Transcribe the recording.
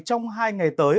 trong hai ngày tới